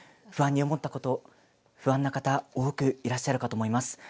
不安に思ったこと不安な方多くいらっしゃると思います